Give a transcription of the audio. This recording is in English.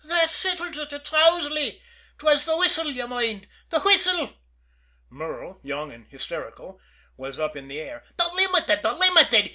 "That settles ut! Ut's Owsley! 'Twas the whistle, d'ye moind the whistle!" Merle, young and hysterical, was up in the air. "The Limited! The Limited!"